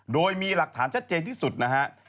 โดยมีหลักฐานชัดเจนที่สุดนะฮะ